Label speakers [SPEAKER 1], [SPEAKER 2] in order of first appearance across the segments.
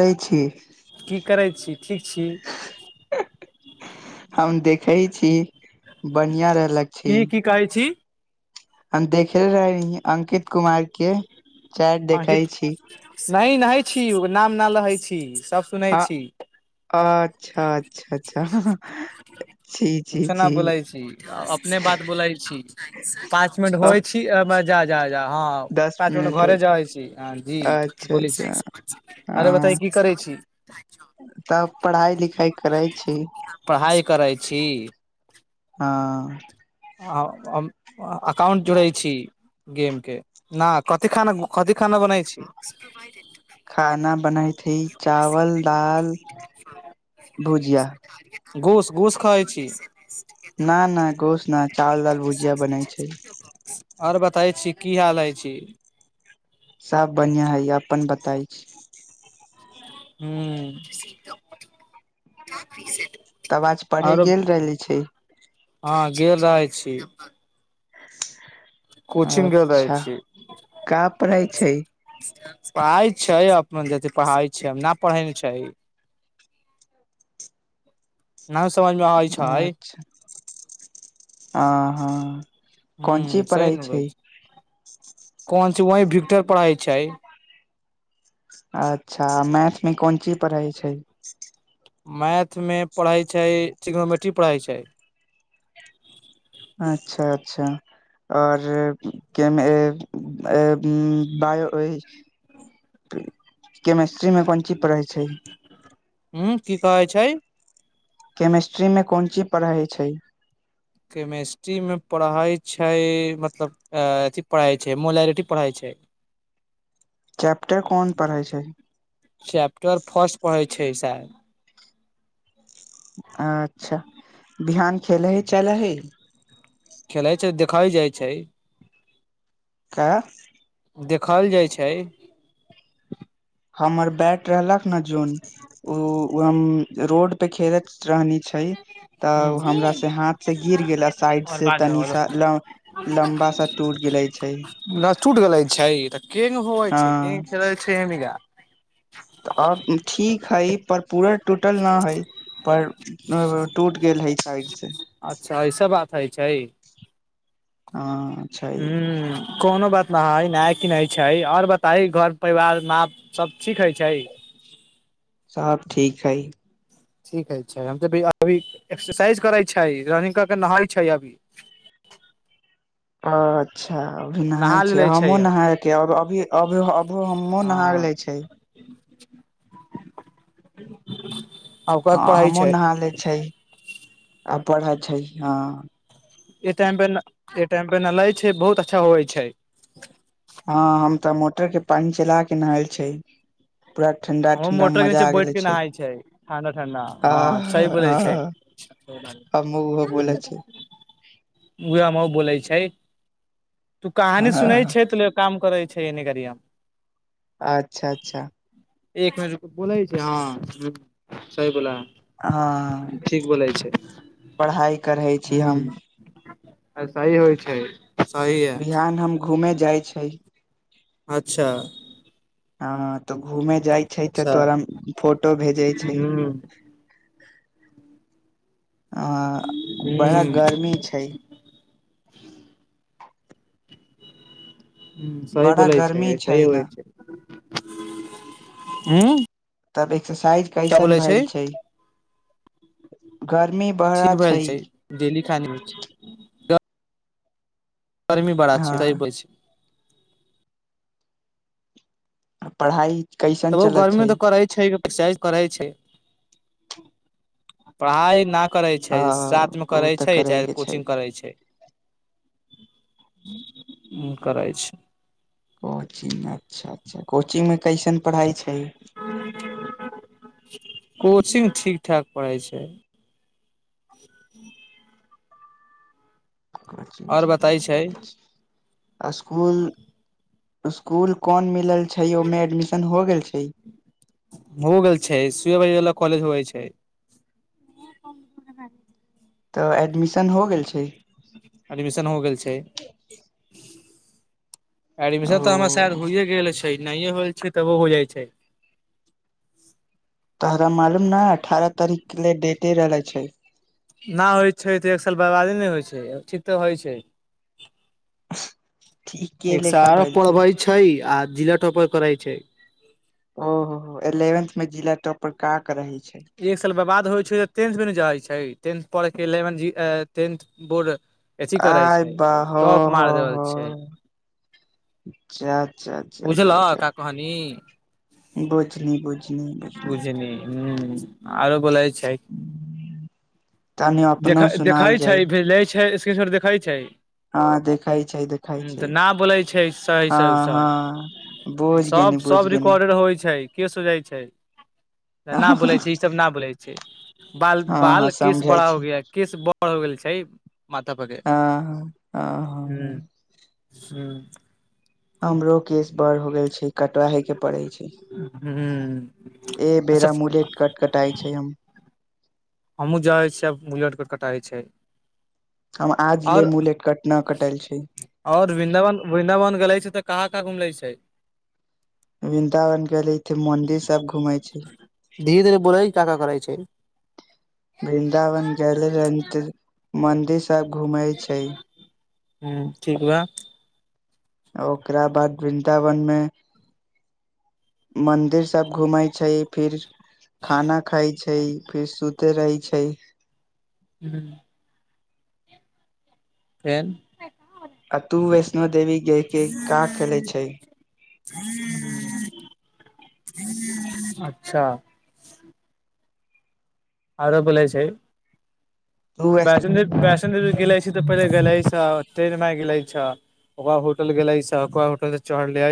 [SPEAKER 1] कहै छी
[SPEAKER 2] की कर छी। [unintelligible] ठीक छी।
[SPEAKER 1] प
[SPEAKER 2] [unintelligible]
[SPEAKER 1] छी। [unintelligible] बढ़िया रहलक छै।
[SPEAKER 2] की की कहै
[SPEAKER 1] [unintelligible]
[SPEAKER 2] छी
[SPEAKER 1] हम देख। [unintelligible] खेल रहे हं अंकित कुमार। [unintelligible] के। [unintelligible] चारट देखै छी। [unintelligible]
[SPEAKER 2] न -न छी ओकर नाम न लै छी। [unintelligible] तब सुनै
[SPEAKER 1] हँ
[SPEAKER 2] छी।
[SPEAKER 1] अच्छा
[SPEAKER 2] [unintelligible]
[SPEAKER 1] अच्छा अच्छा छी छी
[SPEAKER 2] कछ नहि बोलै छी अपने बात बोलै छी पाँच मिनट होइ
[SPEAKER 1] अब
[SPEAKER 2] छी अ। [unintelligible] मजा जा। [unintelligible] हँ
[SPEAKER 1] दस
[SPEAKER 2] पाच
[SPEAKER 1] मिनट
[SPEAKER 2] घरे
[SPEAKER 1] होइ
[SPEAKER 2] जाै छी जी
[SPEAKER 1] अच्छा
[SPEAKER 2] बोली छी
[SPEAKER 1] अच्छा
[SPEAKER 2] आरे बता
[SPEAKER 1] हँ
[SPEAKER 2] की करै छी। [unintelligible]
[SPEAKER 1] पढ़ाइ लिखाइ करै छी।
[SPEAKER 2] पढ़ाइ करै
[SPEAKER 1] [unintelligible]
[SPEAKER 2] छी। [unintelligible]
[SPEAKER 1] हँ। [unintelligible]
[SPEAKER 2] आ। [unintelligible] अाउंट जोड़ै छी। [unintelligible] गेमके न कथिी खाना -कथिी खाना बनै छै। [unintelligible]
[SPEAKER 1] खाना बनाई थी चावल दाल [unintelligible] भुजिया। [unintelligible]
[SPEAKER 2] घूस -घोस खाइ छी। [unintelligible]
[SPEAKER 1] न नहि गो। [unintelligible] उसना चावल दालि भुजिया बनै छै। [unintelligible]
[SPEAKER 2] आर बताै छी की हाल है छी। [unintelligible]
[SPEAKER 1] सभ बढ़िआँ हइ अपन बताय छी। [unintelligible]
[SPEAKER 2] ह्मं। [unintelligible]
[SPEAKER 1] तब आज पढ़े गेल रहले छै। [unintelligible]
[SPEAKER 2] हँ गेल रह छी। [unintelligible]
[SPEAKER 1] [unintelligible]
[SPEAKER 2] कोचिंग गेल रहे
[SPEAKER 1] अच्छा
[SPEAKER 2] छी
[SPEAKER 1] का पढ़ै छै
[SPEAKER 2] [unintelligible] पाय छै। ढ़। [unintelligible]
[SPEAKER 1] अच्छा ह- हँ। [unintelligible]
[SPEAKER 2] ह
[SPEAKER 1] कोन ची
[SPEAKER 2] सही
[SPEAKER 1] पढ़ाई
[SPEAKER 2] ने कहै
[SPEAKER 1] छै। [unintelligible] [unintelligible]
[SPEAKER 2] वही विक्टर पढ़ै छै। [unintelligible]
[SPEAKER 1] अच्छा मैथमे कोन चीज पढ़ै छै। [unintelligible]
[SPEAKER 2] मैथमे पढ़ै छै सिग्नोमेट्री पढ़ै छै। [unintelligible]
[SPEAKER 1] अच्छा -अच्छा आओर -ब। [unintelligible] हिस्ट्रीमे कोन चीज पढ़ै छै। [unintelligible]
[SPEAKER 2] हू की कहै छै। [unintelligible]
[SPEAKER 1] केमेिस्ट्री में कोन ची पढ़ा हइ छै। छै। [unintelligible]
[SPEAKER 2] केमेिस्ट्रीमे पढ़इ छै मतलब अथि पढ़इ छै मोलरििटी पढ़इ छै।
[SPEAKER 1] चैप्टर
[SPEAKER 2] [unintelligible]
[SPEAKER 1] कोन पढ़ै छै
[SPEAKER 2] [unintelligible] चैपटर फारट पढे। छै साल। [unintelligible]
[SPEAKER 1] अच्छा बिहान खेल हइ चल हइ। [unintelligible]
[SPEAKER 2] खेलैत छै देखाई जाइत छै। [unintelligible]
[SPEAKER 1] की। [unintelligible]
[SPEAKER 2] देखल जाइ छै। [unintelligible]
[SPEAKER 1] हमर बैट रहलक न जोन ओ। हम [unintelligible] रोड पे खेलैत रहनी छै
[SPEAKER 2] ह
[SPEAKER 1] तऽ हमरा से हाथ से गिर गेला साइड
[SPEAKER 2] आओर
[SPEAKER 1] से
[SPEAKER 2] बाद
[SPEAKER 1] तनी
[SPEAKER 2] मे
[SPEAKER 1] सा -लम्बा सा टूट गेले छै।
[SPEAKER 2] लहसुट गलै
[SPEAKER 1] [unintelligible]
[SPEAKER 2] छै तऽ केंग होइ छै केंग
[SPEAKER 1] हँ
[SPEAKER 2] खेलै छै हमगा। [unintelligible]
[SPEAKER 1] तऽ आ ठीक। [unintelligible] हई पर पूरा टूटल न हई पर टूट गेल हई साइड से।
[SPEAKER 2] अच्छा ईऐस बात। इ छै। [unintelligible]
[SPEAKER 1] हँ छै
[SPEAKER 2] [unintelligible] हं कोनो बात। न- न किनै छै आओर बताय घर परिवार माप सब ठीक हइ छै। [unintelligible]
[SPEAKER 1] सब ठीक हइ। [unintelligible]
[SPEAKER 2] ठीक है छै हम तऽ अभी एक्सरसाइज करैत छै रनिंग क के नहाइत छै अभी। [unintelligible]
[SPEAKER 1] हँ अच्छा। अच् अभी नहााय
[SPEAKER 2] नहा
[SPEAKER 1] छै
[SPEAKER 2] लेले
[SPEAKER 1] हमहुँ
[SPEAKER 2] आब
[SPEAKER 1] नहाायके अभी -अभो हमोँ नहा ले छै।
[SPEAKER 2] ह। [unintelligible]
[SPEAKER 1] हँ हमूँ नहा ले छै। [unintelligible] आ पढ़ै छै हँ। [unintelligible]
[SPEAKER 2] एहि टाइम पे- ए टाइम पे ने लै छै बहुत अच्छा होवे छै।
[SPEAKER 1] हँ हम तऽ मोटर के पानि चला के नहल छै। [unintelligible]
[SPEAKER 2] हम
[SPEAKER 1] ठंडा
[SPEAKER 2] मोटर के
[SPEAKER 1] मजा
[SPEAKER 2] नीचे
[SPEAKER 1] आ
[SPEAKER 2] बैठ
[SPEAKER 1] गेले
[SPEAKER 2] के नहााय छै ठंडा -ठंडा ह सही बोले
[SPEAKER 1] आ
[SPEAKER 2] छैह हम
[SPEAKER 1] हमु उहो बोले छै
[SPEAKER 2] बोलै छै। छै। [unintelligible] तू कहानी
[SPEAKER 1] हँ
[SPEAKER 2] सुनै छै त काम। [unintelligible] छैने करियाम। [unintelligible]
[SPEAKER 1] अच्छा -अच्छा। [unintelligible]
[SPEAKER 2] एक मिनट बोलै छै हँ सही बोला। [unintelligible]
[SPEAKER 1] हँ [unintelligible]
[SPEAKER 2] ठीक बोलै छै
[SPEAKER 1] पढ़ाइ करै छी हम।
[SPEAKER 2] आ सही होइ छै। [unintelligible] है
[SPEAKER 1] बिहान हम घूमे जाइ छै। [unintelligible]
[SPEAKER 2] अच्छा। [unintelligible]
[SPEAKER 1] आ। तऽ घूमे जाइ छै, तऽ
[SPEAKER 2] अच्छा
[SPEAKER 1] तोरा फोटो भेजे
[SPEAKER 2] ह
[SPEAKER 1] छै। आ
[SPEAKER 2] ह
[SPEAKER 1] बड़ा गर्मी छै।
[SPEAKER 2] ह सही
[SPEAKER 1] बड़ा
[SPEAKER 2] बोलाय छै,
[SPEAKER 1] गर्मी
[SPEAKER 2] सह
[SPEAKER 1] ने
[SPEAKER 2] हो छै। उँ। [unintelligible]
[SPEAKER 1] तभी। [unintelligible] एक्सरसाइज कैसन भेल छै। [unintelligible] गर्मी बड़ा
[SPEAKER 2] ठीक भेल छै, डेली खा। गर्मी बड़ा छै,
[SPEAKER 1] हँ
[SPEAKER 2] सही छै।
[SPEAKER 1] आ पढ़ाई। कैसन
[SPEAKER 2] तऽब
[SPEAKER 1] चलत
[SPEAKER 2] गर्मी
[SPEAKER 1] छै
[SPEAKER 2] तऽ करै छै। करै छै, पढ़ाई न। करै छै,
[SPEAKER 1] हँ
[SPEAKER 2] साथ में
[SPEAKER 1] ओ
[SPEAKER 2] करै
[SPEAKER 1] तऽ
[SPEAKER 2] छै
[SPEAKER 1] करे
[SPEAKER 2] चाहे
[SPEAKER 1] के छै
[SPEAKER 2] कोचिंग करै छै। उ करै छै।
[SPEAKER 1] कोचिंग अच्छा-अच्छा कोचिंग में कैसन। पढ़ाई छै।
[SPEAKER 2] कोचिंग ठीक-ठाक पढ़ाई छै। आओर बताय छै।
[SPEAKER 1] इसकुल। स्कूल कौन में। छै, ओहिमें एडमिशन हो गेल छै।
[SPEAKER 2] हो गेल छै सुए बजे वाला कॉलेज होइय छै।
[SPEAKER 1] तऽ एडमिशन हो गेल छै।
[SPEAKER 2] एडमिशन हो गेल छै। एडमिशन तऽ
[SPEAKER 1] ओ
[SPEAKER 2] हमरा शायद, होइए गेल अछि। नाए होल छै, तबो हो जाइ छै।
[SPEAKER 1] तोरा मालूम ने अठारह तारीख के ले डेटे रहले छै।
[SPEAKER 2] ना हो छै, तऽ एक साल। बर्बादे नहि होइ छै, ठीक तऽ होइ छै।
[SPEAKER 1] ठीक के
[SPEAKER 2] एक
[SPEAKER 1] लेखा
[SPEAKER 2] साल
[SPEAKER 1] भेल
[SPEAKER 2] पढ़बै छै, आ जिला टाँपर। करइ छै।
[SPEAKER 1] ओहो हो एलेवन्थ में जिला टॉपर का। कर रही छै
[SPEAKER 2] एक साल ब बाद होइ छै टें भ न जाइ छै। छै टेंथ पढ़के इलेवन् -ज टेंथ बोर्ड। अथी करै
[SPEAKER 1] आइ
[SPEAKER 2] छै टॉप
[SPEAKER 1] बाहाह
[SPEAKER 2] मार
[SPEAKER 1] हो
[SPEAKER 2] देबल छै
[SPEAKER 1] -हो अच्छ-
[SPEAKER 2] बुझलह
[SPEAKER 1] अच्छा। ्ाा
[SPEAKER 2] का कहनी
[SPEAKER 1] बुझनी- बुझनी- बुझनी। [unintelligible]
[SPEAKER 2] ह आरो बोलै छै। [unintelligible]
[SPEAKER 1] बुझनी तनी
[SPEAKER 2] देख
[SPEAKER 1] अपनो
[SPEAKER 2] देखा
[SPEAKER 1] सुनाल
[SPEAKER 2] छै,
[SPEAKER 1] जाइ
[SPEAKER 2] भेजलै छै। तर देखै छै।
[SPEAKER 1] हँ देखाय छै, देखाय
[SPEAKER 2] ह
[SPEAKER 1] छै,
[SPEAKER 2] तऽ न बोलै छै सही से
[SPEAKER 1] हँ
[SPEAKER 2] सब
[SPEAKER 1] हँ बुझ गनी बुझ गेनी।
[SPEAKER 2] के सोझइ छै। [unintelligible] न
[SPEAKER 1] हँ
[SPEAKER 2] बोलै छै ई सब न बोलै छै बाल-
[SPEAKER 1] हँ
[SPEAKER 2] बाल केस।
[SPEAKER 1] समझै
[SPEAKER 2] बड़ा हो
[SPEAKER 1] छी
[SPEAKER 2] ग केस बड़ हो गेल छै मथा पर के ह।
[SPEAKER 1] हँ हँ हँ
[SPEAKER 2] [unintelligible] ह्मं। [unintelligible]
[SPEAKER 1] हमरो केस बड़ हो गेल छै कट हे के पड़े। [unintelligible]
[SPEAKER 2] ह
[SPEAKER 1] ए
[SPEAKER 2] अच्छा
[SPEAKER 1] बेेरा मुूल कटकटइ छै। [unintelligible]
[SPEAKER 2] हमहूँ जाै छियै आब बुलेटके कटाै छै।
[SPEAKER 1] हम आज
[SPEAKER 2] [unintelligible]
[SPEAKER 1] ले
[SPEAKER 2] आओर
[SPEAKER 1] मुलेट कट न कटल छै
[SPEAKER 2] -आओर वृन्दावन -वृन्दावन गेले छै तऽ कहाँ। कका घुम लै छै। [unintelligible]
[SPEAKER 1] वृंन्दावन के भेले इे मंदिर सब घूमे छै। [unintelligible]
[SPEAKER 2] धीरे धीरे बोलाय क का करै छै। [unintelligible]
[SPEAKER 1] मन्दिर। [unintelligible] सब घूमै छै। [unintelligible]
[SPEAKER 2] ह्म ठीक ब। [unintelligible]
[SPEAKER 1] ओकरा बाद वृन्दावन मे। [unintelligible] मंदिर सब घूमे छै फिर खाना खााय छै। छै फिर सुते रहै छै। [unintelligible]
[SPEAKER 2] हूं। [unintelligible] फेर। [unintelligible]
[SPEAKER 1] अ तू वैष्णो देवी गेके का खेलैत छै।
[SPEAKER 2] अच्छा। [unintelligible] आरो बोलै छै। [unintelligible]
[SPEAKER 1] तू
[SPEAKER 2] वैष्णदवी- वैष्णो देवी ग गेलै छी त पहिे गलाै आ े ग। ा ओकरा होटल गेले ओक होटल से चढ़ले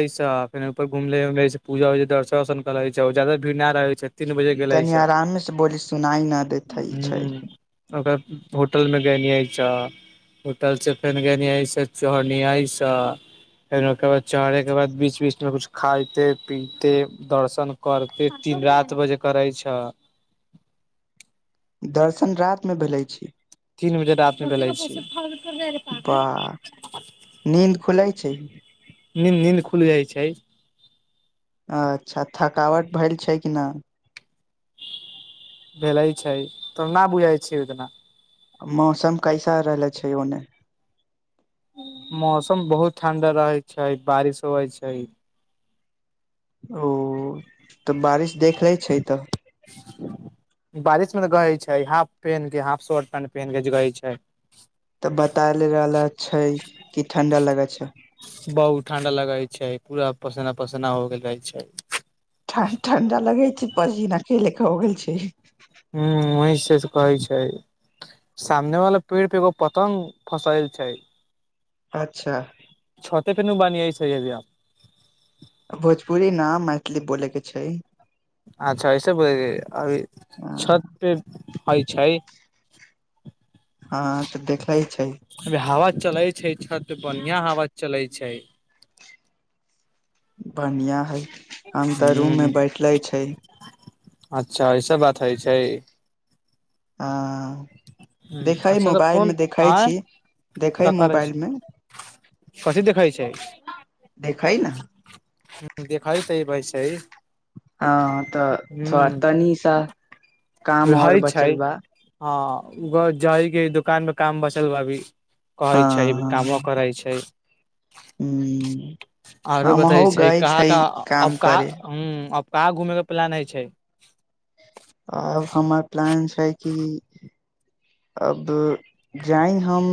[SPEAKER 2] फ ऊर घुले उ पूजा दर्शन वर्शन कर ज जादा भीड़ न रहे छै। तीन बजे गेले
[SPEAKER 1] तनी
[SPEAKER 2] छह
[SPEAKER 1] आराममे से बोली सुनाई न देते छै। [unintelligible]
[SPEAKER 2] अ। [unintelligible] होटल मे गेलिय छह होटल से फेर गेलियस चढ़लिय छ फेर ओकर बाद चढ़े के बाद- बीच बीच मे कुछ खाइते पीते दर्शन करते तीन रति बजे करै छ।
[SPEAKER 1] दर्शन रात मे भेले छै
[SPEAKER 2] तीन मिनट आने प लै छै। [unintelligible] फल। [unintelligible]
[SPEAKER 1] बाह नीन्द खुलय छैय।
[SPEAKER 2] नीन्द नीन्द खुलि जाइ छैय।
[SPEAKER 1] अच्छा थकावट भेल छैय कि नैय।
[SPEAKER 2] भेलै छैय तो न बुझैत छैय ओतना।
[SPEAKER 1] मौसम कैसा रहले छै ओने। [unintelligible]
[SPEAKER 2] मौसम बहुत ठण्डा रहैत छै बारिश होइ छै। [unintelligible]
[SPEAKER 1] ओ तऽ बारिश देख लै छै तऽ। [unintelligible]
[SPEAKER 2] बारिश मे गै छैय हाफ पहिन के हाफ शर्ट पैंट पहिन के गै छैय।
[SPEAKER 1] तऽ बताल रहल छैय की ठंडा लगे अच्छा
[SPEAKER 2] बहुत ठण्डा लगै छैय पूरा पसीना पसीना हो गेल रहै छैय।
[SPEAKER 1] ठण ठण्डा लगे छैय बहिन अकेले। कहे छैय
[SPEAKER 2] हूँ वहीं से से कहै छैय सामने वाला पेड़ पे एगो पतंग फसल छैय।
[SPEAKER 1] अच्छा
[SPEAKER 2] [unintelligible]
[SPEAKER 1] भोजपुरी ना मैथिली बोलैके छैय।
[SPEAKER 2] अच्छा एसे बोलल जाए अभी छत पे होइ छैय।
[SPEAKER 1] हाँ तऽ देखेऽ छैय।
[SPEAKER 2] चलै छै छत बढ़िआ हावा चलैत छैय।
[SPEAKER 1] बढ़िआँ हइ हम तऽ रूममे
[SPEAKER 2] ह
[SPEAKER 1] बैठले छैय।
[SPEAKER 2] अच्छा ऐसा बात होइ छैय। ह
[SPEAKER 1] आं देखै
[SPEAKER 2] अच्छा तऽ
[SPEAKER 1] मोबाइल
[SPEAKER 2] फोन
[SPEAKER 1] मे देखै
[SPEAKER 2] आय
[SPEAKER 1] छीय देखै
[SPEAKER 2] का करै छै
[SPEAKER 1] मोबाइल मे
[SPEAKER 2] कथी देखै छै
[SPEAKER 1] देखै ने।
[SPEAKER 2] हं देखइ छैह भइ छैय।
[SPEAKER 1] हँ तऽ थोड़ा तनी सा काम आओर
[SPEAKER 2] हय छै
[SPEAKER 1] बचल बा।
[SPEAKER 2] हँ घर जाइके दुकान मे काम बचल बा अभी। कहै
[SPEAKER 1] हँ
[SPEAKER 2] छैय
[SPEAKER 1] हँ
[SPEAKER 2] कामो करै छैय।
[SPEAKER 1] हूँ
[SPEAKER 2] आरो
[SPEAKER 1] हमहुँ
[SPEAKER 2] बताै छैय
[SPEAKER 1] गय
[SPEAKER 2] कहाँ
[SPEAKER 1] छै
[SPEAKER 2] कहाँ
[SPEAKER 1] काम
[SPEAKER 2] अब कहाँ
[SPEAKER 1] करे
[SPEAKER 2] हूँ। आब कहाँ घुमेके प्लान हइ छैय।
[SPEAKER 1] आब हमर प्लान छैय कि अब जाइ हम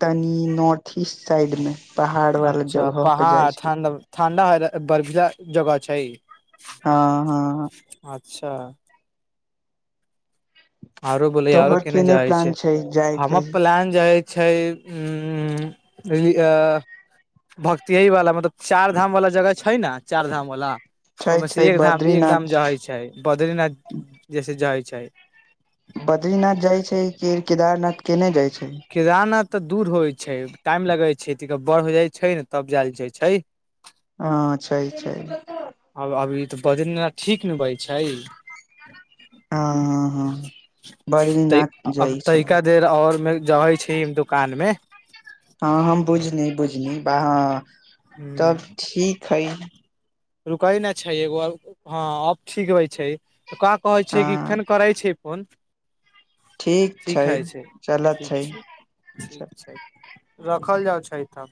[SPEAKER 1] तनी नार्थ ईस्ट साइड मे। पहाड़ वाला
[SPEAKER 2] अच्छा
[SPEAKER 1] जगह पे जाइ
[SPEAKER 2] पहाड़
[SPEAKER 1] छै
[SPEAKER 2] ठण्डा ठण्डा होले। बर्फीला जगह छैय।
[SPEAKER 1] हँ हँ हँ
[SPEAKER 2] अच्छा। आरो बोलै, आरो
[SPEAKER 1] तोहर
[SPEAKER 2] केने जाइ
[SPEAKER 1] प्लान
[SPEAKER 2] छै,
[SPEAKER 1] जाय के
[SPEAKER 2] हमर प्लान जे अछि। छै उं हुं भक्तियवला मतलब चारि धामवला जगह छै ने चारि धामवला
[SPEAKER 1] छै
[SPEAKER 2] ओहिमे
[SPEAKER 1] छै
[SPEAKER 2] से एक धाम एक धाम
[SPEAKER 1] बद्रीनाथ
[SPEAKER 2] जाइ चाहै छै, बद्रीनाथ जैसे जाइ छै।
[SPEAKER 1] बद्रीनाथ जाय छैय कि केदारनाथ केने जाइ छैय।
[SPEAKER 2] केदारनाथ तऽ दूर होइ छैय टाइम लगै छै तनी बड़ हो जाइ छै ने तब जायल जाइ छैय।
[SPEAKER 1] अं छैय छैय।
[SPEAKER 2] आब अभी त भजन ठीक ने बजै छै
[SPEAKER 1] हँ हँ हँ
[SPEAKER 2] तै
[SPEAKER 1] बद्रीनाथ
[SPEAKER 2] अब
[SPEAKER 1] जाइ छै
[SPEAKER 2] तैका देर और मे जै छै दुकान मे।
[SPEAKER 1] हुं, उहां। तब ठीक हइ।
[SPEAKER 2] रुकै नहि छै एगो और, हँ अब ठीक होइ छै। त का कहै छै
[SPEAKER 1] हँ
[SPEAKER 2] कि फेन करै छियै फोन।
[SPEAKER 1] ठीक छै, चलत छै।
[SPEAKER 2] खल जाइ छै त।